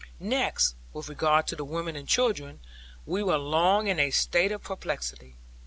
Next, with regard to the women and children, we were long in a state of perplexity.